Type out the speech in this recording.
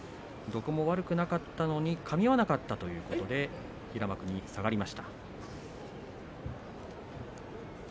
どこも悪くなかったのに相撲がかみ合わなかったということで平幕に下がっています。